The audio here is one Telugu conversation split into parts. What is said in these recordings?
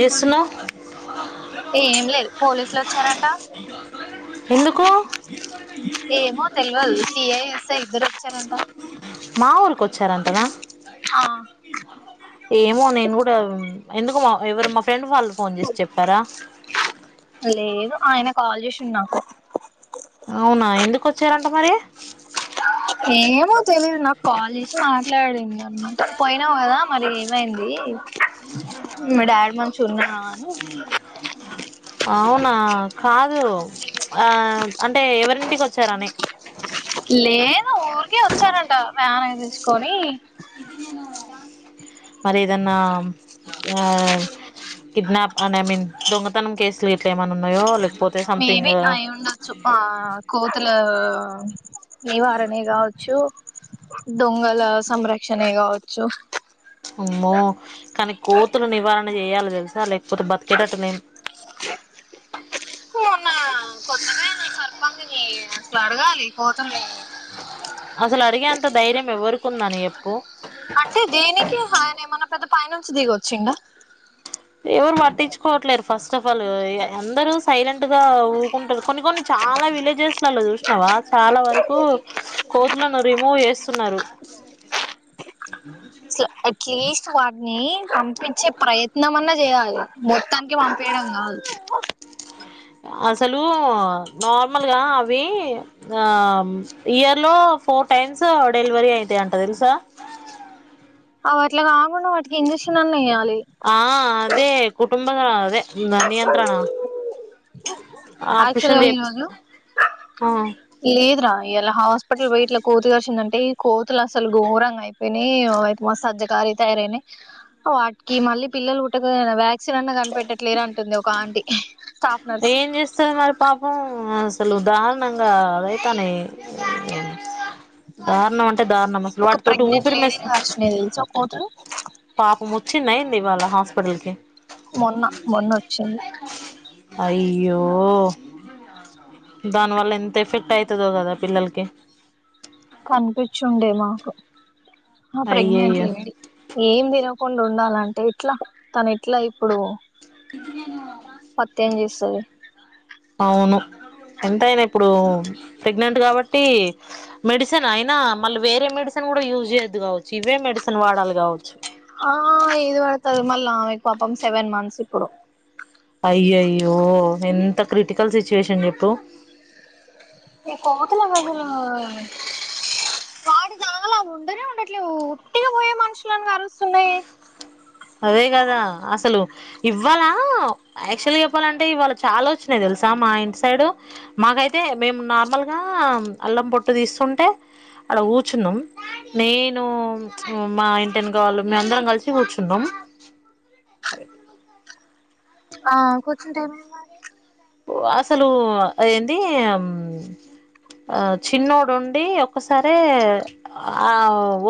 చేస్తున్నావ్ ఏం లేదు పోలీసులు వచ్చారంట ఎందుకు ఏమో తెలియదు సిఐ ఎస్ ఇద్దరు వచ్చారంట మా ఊరికి వచ్చారంటనా ఆ ఏమో నేను కూడా నీతోఎవరు మా మా ఫ్రెండ్ వాళ్ళు ఫోన్ చేసి చెప్పారా లేదు ఆయన కాల్ చేసిండు నాకు అవునా ఎందుకు వచ్చారంట మరి ఏమో తెలీదు నాకు కాలే జేసీ మాట్లాడిండు అన్నా పోయినావు కదా మరి ఏమైంది మీ డాడీ మంచిగా ఉన్నార అని అవునా కాదు ఆ అంటే ఎవరింటికి వచ్చారాని లేదు ఊరికే వచ్చారంట వ్యాన్ తీసుకొని మరి ఏదన్నా ఆ కిడ్నాప్ అండ్ ఐ మీన్ దొంగతనం కేసులు ఇట్లా ఏమన్నా ఉన్నాయో లేకపోతే సంథింగ్ మేబి అయి ఉండొచ్చు ఆ కోతుల నివారణే కావచ్చు దొంగల సంరక్షణే కావచ్చు అమ్మో కానీ కోతులు నివారణ చేయాలి తెలుసా లేకపోతే బతికేతట్టట్ లేం అసల్ అడగాలి కోతుల్ని అసలు అడిగేంత ధైర్యం ఎవరుకు ఉందని ఎప్ ప్పు అంటే దేనికి ఆయన ఏమనా పెద్ద పై నుంచి దిగొచ్చిండా ఎవరు పట్టించుకోవట్లేర్ ఫస్ స్ట్ ఆఫ్ ఆల్ ఎందరూ సైలెంట్ గా ఊకుంటరు కొన్ని కొన్ని చాలా విలేజెస్లలో, చూసినవా చాలా వరకు కోతులను రిమూవ్ చేస్తున్నారు. వాడ్ని కమ్ పిచ్చే ప్రయత్నం అన్న చేయా మొత్తానికి పంపియడం కాద్ అసలు నార్మల్గా అవి ఆ ఇయర్ లో ఫోర్ టైమ్స్ డెలివరీ అయితాయింట తెలుసా. అవు అట్లా కాకుండా వాటికి ఇంజెక్షన్ అన్నా ఏయా ఆ అదే కుటుం ఆ అదే దా నియంత్రణ యాక్చువల్ ఆపరేషన్ చేపిస్ హా లేద్ రా ఈయాలా హాస్పిటల్ బోయి ఇట్ల కోతి చచ్ టిన్నాంటే ఈ కోతులు అసలు ఘోరంగా అయిపోయినాయి. ఓ సజ్జకారీ గా తయారయినాయి, వాటికి మళ్ళీ పిల్లలు పుట్టకన్ వ్యాక్సిన్ అన్ కనిపెట్ టెట్ లేర్ అంటుంది ఒక ఆంటీ ఆ ఏం చేస్తారు మరి పాపం స్ అసలు దారుణంగా అయితానయి దారుణం అన్ టె దారుణం మసలు ఒక వాటితోటి ప్రెగ్నెంట్ ఊపిరి మేస్, లేడీని కరిచినాయి తెలుసా కోతులు పాపం వచ్చిందా ఏంది ఇ వాళ్ళ హాస్ పడల్ కి మొన్న మొన్న వచ్చింది అయ్యో, దానివల్ల ఎంత ఎఫెక్ట్ అవుతదో కదా పిల్లలకి కనిపించుండే మాకు ఆ ప్రెగ్నెంట్ అయ్యయ్యో లేడి ఏం దినవ్ కొండ్ ఉండాలంటే ఎట్లా తను ఎట్లా ఇప్పుడు పత్ ఏం జేస్ తది అవును ఎంతయినా ఇప్పుడు ప్రెగ్నెంట్ కాబట్టి మెడిసిన్ అయినా, మళ్ళీ వేరే మెడిసిన్ కూడా యూజ్ చేయొద్దు కావచ్చు, ఇవే మెడిసిన్ వాడాలి కావొచ్. ఆ ఇది వడ్ తది మళ్ళా ఆమెక్ పాపం సెవెన్ మంత్స్ ఇప్పుడు అయ్యయ్యో ఎంత క్రిటికల్ సి వేషన్ చెప్పు న కోతల అసలు వాడు దాలా ఉండనే ఉండట్లే ఉట్టిగా పోయే మనుషులని కరుస్తున్నాయి అదే కదా అసలు ఇవాళ యాక్చువల్గా చెప్పాలంటే ఇవాళ చాలా వచ్చినాయి తెలుసా మా ఇంటి సైడు మాకైతే మేము నార్మల్గా అల్లం పొట్టు తీస్తుంటే అడ కూర్చున్నాం నేను మా ఇంటి ఎనక వాళ్ళు మేం అందరం కలిసి కూర్చు న్నాం ఆ కుర్చుంటే ఏమైనాది అసలు అది ఏంది ఆ చిన్నడుండి ఒకసారి ఆ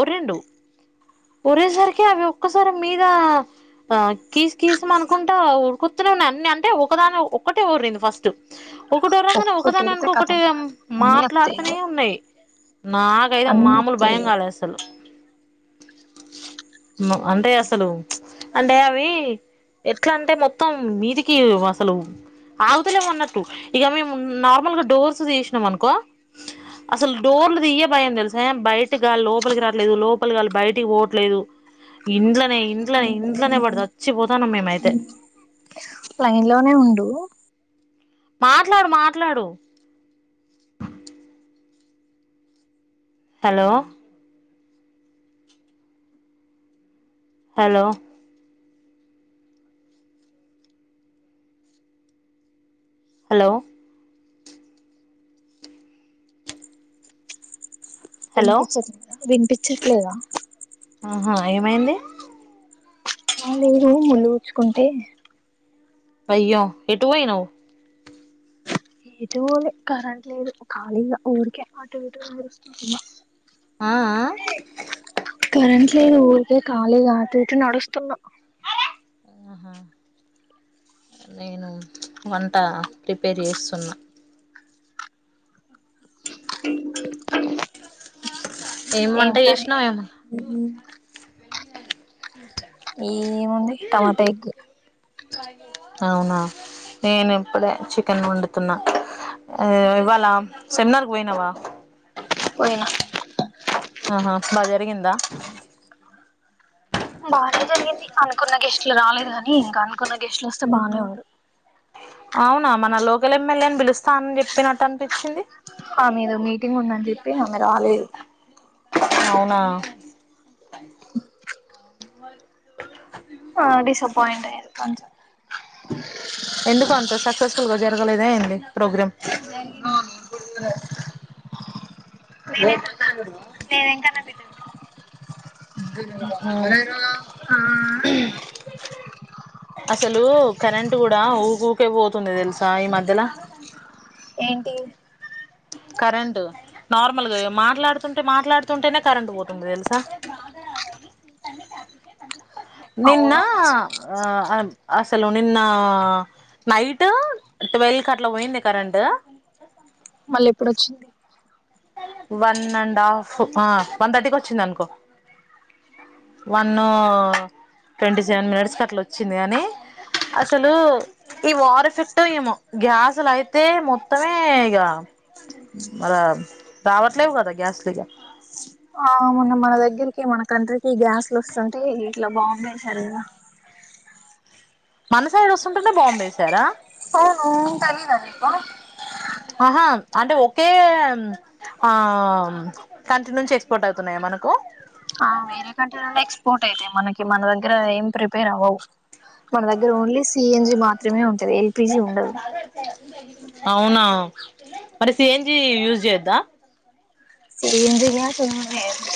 ఉరిండు ఉరేసరికి అవి ఒక్కసారి మీద ఆ కీసు కీసం అనుకుంటా ఊరుకుతునే ఉన్నాయి అన్ని అంటే ఒకదాని ఒక్కటే ఓరింది ఫస్ట్ ఒకటో రంగానే ఒక్కటి ఒకదాని ఉరితే అనుకొకటి కతం అన్ని వత్తాయి ఇగ మాట్లాడుతనే ఉన్నాయి నాకైతే అన్ని మామూలు వత్తాయి భయం ఇగ కాలేదు అసలు అంటే అసలు అంటే అవి ఎట్లా అంటే మొత్తం మీదికి అసలు ఆగుతలేమ అన్నట్టు ఇక మేము నార్మల్ గా డోర్స్ తీసినాం అనుకో అసలు డోర్లు తీయే భయం తెలుస బయట గాలి లోపలికి రాట్లేదు లోపలి గాలి బయటికి పోవట్లేదు ఇండ్ల మేమైతే లైన్ లోనే ఉండు మాట్లాడు మాట్లాడు హలో హలో హలో హలో వినిపించేట్లే వినిపించట్లేదా ఆహా ఏమైంది ఆ లేదు ముళ్లు గుచ్చుకుంటే అయ్యో ఎటుూ వోయినావ్ ఏటు పోలే కరెంట్ లేదు ఖళీగా ఊరికే అటూఇటూ చూస్తుంనా ఆ ఆ కరంట్లేదు ఉరికే ఖాళీగా అటు ఎటు నడుస్తున్నా ఆహా నేను వంట ప్రిపేర్ చేస్త న్నా ఏం వంట చేసినావ్ ఏమో ఏ ఏం ఉంది టమాటా ఎగ్ అవునా నేను ఇప్పుడే చికెన్ వండుతున్నా ఇవాళ సెమినార్ కు పోయినావా పోయినా ఆహా బజ కింద బానే జరిగింది అనుకున్న గెస్ట్లు రాలేదు కాగాని ఇంకా అనుకున్న గెస్ట్లు వస్తే బానే ఉండు అవునా మన లోకల్ ఎమ్మెల్యేని పిలుస్తానని చెప్పినట్టు అనిపించింది ఆమ్ ఏదో మీటింగ్ ఉందని చెప్పి ఆమె రాలేదు అవునా ఆ డిస్సపాయింట్ అయింది అ ఎందుకు అంత సక్సెస్ ల్గా జరగలేదా ఏంది ప్రోగ్రామ్ న [inaudible] నేను ఇంకా న బిడ్డ అ అర ఆ అసలు కరెంట్ కూడా ఊక ఊకే పోతుంది తెలుసా ఈ మధ్యలో ఏంటి కరెంటు నార్మల్గా మాట్లాడుతుంటే మాట్లాడుతుంటేనే కరెంట్ పోతుంది తెలుసా నిన్న అవును ఆ అసలు నిన్న నైట్ ట్వెల్వ్ క అట్లా పోయింది కరెంటు మళ్ళ ఎప్పుడొచ్చింది వన్ అండ్ హాఫ్ వన్ థర్టీకి వచ్చింది అనుకో వన్ ట్వంటీ సెవెన్ మినిట్స్ క అట్లా వచ్చింది అని అసలు ఈ వర్ ఎఫెక్ట్ ఏమో గ్యాస్లు అయితే మొత్తమే ఇక ఆ రావట్లేవు కదా గ్యాస్లు గ ఆ మొన్న మన దగ్గరికి మన కంట్రీకి గ్యాస్లు వస్తుంటే ఇట్లా బాగుంటే సరిగా మన సైడ్ వస్తుంటంటే బాంబ్ వేశారా అవునుతెలిద నప్ప ఆహా అంటే ఒకే ఆ కంట్రీ నుంచి ఎక్స్పోర్ట్ అవుతున్నాయా మనకు ఆ వేరే కంట నుండి ఎక్స్పోర్ట్ అయితాయి మనకి మన దగ్గరం ప్రిపేర్ అవ్వవు మన దగ్గర ఓన్లీ సిఎన్జి మా త్రిమను అవునా మరి సఎంజి యూజ్ చేయొద్దా సిఎన్జి గ్యాస్ యూజ్ చేయద్దు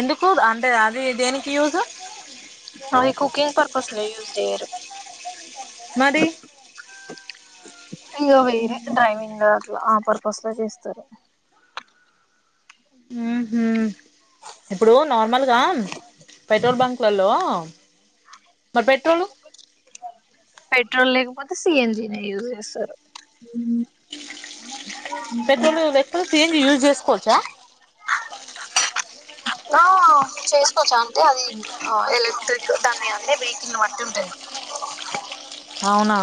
ఎందుకు అంటే అది దేనికి యూజు కుకింగ్ పర్పస్ లో చేయరు మరి ఇంకా వేరే డ్రైవింగ్ అట్లా ఆ పర్పస్ లో చేస్తారు ఉ హు ఇప్పుడు నార్మల్గా పెట్రోల్ బంక్లలో మరి పెట్రోలు పెట్రోల్ లేకపోతే సిఎన్జీ న యూజ్ చేస్తారు పెట్రోలు వట్టల్సి యూజ్ చేసుకోవచ్చా ఆ చేసుకోవచ్చా అంటే అది ఎలక్ట్రిక్ దాన్ని అంటే బేకి బట్టి ఉంటుంది అవునా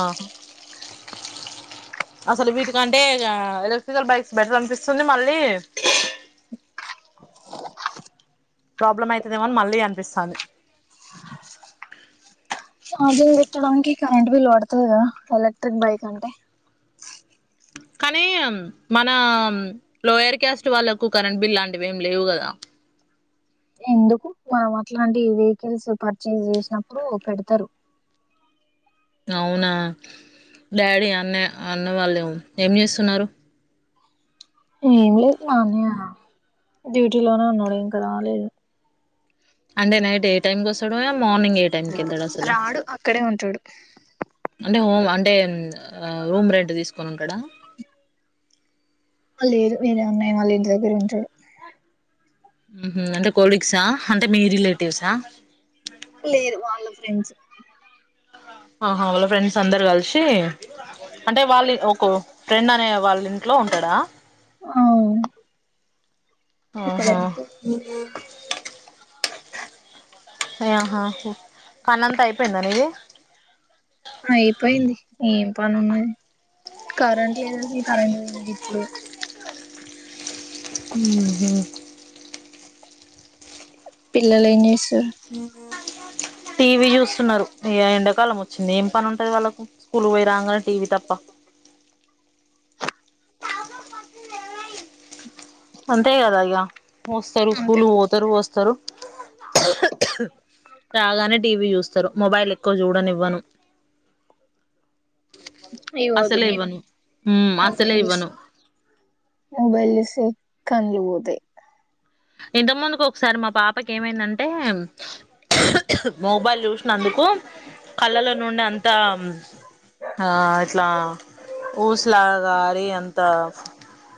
అసలు వీటికంటే ఎలక్ట్రికల్ బైక్స్ బెటర్ అనిపిస్తుంది మళ్ళీ ప్రాబ్లమ్ అవుతుదేమోనని మళ్ళీ అనిపిస్తాంది అదిే ఎట్టడానికి కరెంట్ బిల్ పడుతుంది కదా ఎలక్ట్రిక్ బైక్ అంటే కానీ మన లోయర్ క్యాస్ట్ వాళ్ళకు కరెంట్ బిల్ లాంటివి ఏమి లేవు కదా ఎందుకు మా అట్లాంటి వెహికల్స్ పర్చేస్ చేసినప్పుడు పెడతారు అవునా డాడీ అన్న అన్న వాళ్ళు ఏం చేస్తున్నారు ఏం లేదు నాన్న డ్యూటీలోనే ఉన్నాడు ఇంకా రాలేదు అంటే నైట్ ఏ టైమ్ కోస్తా మార్నింగ్ ఏ టైం కి వెళ్తాడు అసలు రాడు అక్కడే ఉంటాడు అంటే హ అంటే రూమ్ రెంట్ తీసుకొనుంటాడా లేదు వేరే అన్నయ్య వల్ల ఇంటి దగ్గరే ఉంటాడు హ్మ్మ్ అంటే కొలిక్స్ ఆ అంటే మీ రిలేటివ్సా లేరూ వాళ్ళు ఫ్రెండ్స్ ఆహ వాళ్ళ ఫ్రెండ్స్ అందరు కలిసి అంటే వాళ్ళ ఒక ఫ్రెండ్ అనే వాళ్ళ ఇంట్లో ఉంటాడా అవును క్కడే ఆహా ఆహా పన్నంతా అయిపోయిందా నీది అయిపోయింది ఏం పని ఉన్నది కరెంట్ లేదు అసలు కరెంట్ పోయింది ఇప్పుడు ఉ పిల్లలు ఏం చేస్తుర్రు టీవీ చ న్నారు ఈ ఎండాకాలం వచ్చింది ఏం పని ఉంటది వాళ్ళకు స్కూలు పోయి రాంగనే టీవీ తప్ప అంతే గద ఇగ వస్తారు అంతే స్కూల్ పోతారు వస్తారు రాగానే టీవీ చూస్తారు మొబైల్ ఎక్కువ చూడనివ్వను ఇవ్వదు అసలే మరి ఇవ్వను మ్మ్ అసలే మొబైల్ ఇవ్వను ఇస్తే మొబైల్ సే కందిపోతై ఇంత ముందుకు ఒకసారి మా పాపకి ఏమైందంటే మొబైల్ చూసినందుకు కళ్ళలో నుండి అంత ఆ ఇట్లా ఊసలా గారి అంత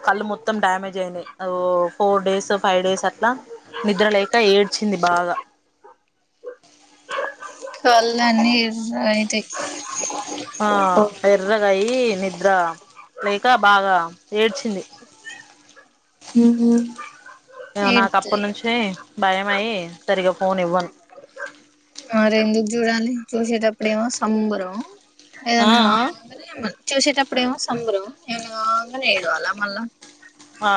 కళ్ళు మొత్తం డ్యామేజ్ అయిందియి ఓ ఫోర్ డేస్ ఫైవ్ డేస్ అట్లా నిద్రలేక ఏడ్చింది బాగా కళ్ళన్నీ ఎర్ర అయితాయి ఆ ఎర్రగా అయి నిద్ర లేక బాగా ఏడ్చింది నాకు అప్పుటి ఏడుతాయి నుంచి భయమయి సరిగా ఫోన్ ఇవ్వన్ చేసేటప్పుడు ఏమో సంబురం ఆ ఏదన్నా చూసేటప్పుడు ఏమో సంబ్రం ఏనాన ఎడవల్లా మళ్ళా ఆ